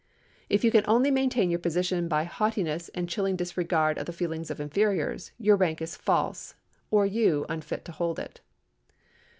If you can only maintain your position by haughtiness and chilling disregard of the feelings of inferiors, your rank is false, or you unfit to hold it.